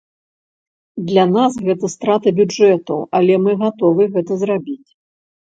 Для нас гэта страты бюджэту, але мы гатовы гэта зрабіць.